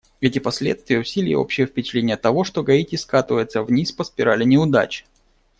Эти последствия усилили общее впечатление того, что Гаити скатывается вниз по спирали неудач.